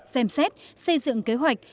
xem xét xây dựng kế hoạch